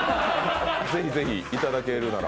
ぜひぜひ、いただけるなら。